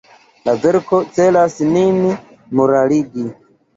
La verko celas nin moraligi.